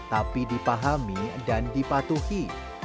tapi dipahami dan dipatuhi